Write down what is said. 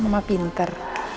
hmm mama pinter